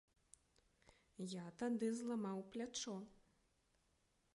Я тады зламаў плячо!